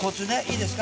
いいですか？